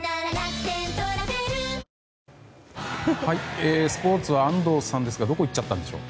スポーツは安藤さんですがどこ行っちゃったんでしょう？